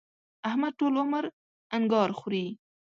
احمد ټول عمر انګار خوري.